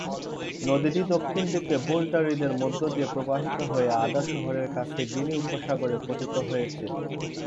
নদীটি দক্ষিণ দিকে ভোল্টা হ্রদের মধ্য দিয়ে প্রবাহিত হয়ে আদা শহরের কাছে গিনি উপসাগরে পতিত হয়েছে।